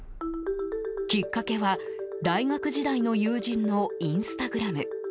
きっかけは、大学時代の友人のインスタグラム。